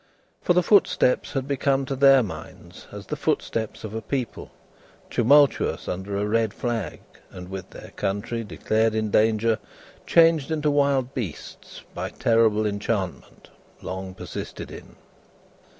For, the footsteps had become to their minds as the footsteps of a people, tumultuous under a red flag and with their country declared in danger, changed into wild beasts, by terrible enchantment long persisted in.